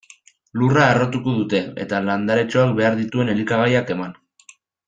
Lurra harrotuko dute, eta landaretxoak behar dituen elikagaiak eman.